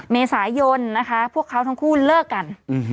เมษายนนะคะพวกเขาทั้งคู่เลิกกัน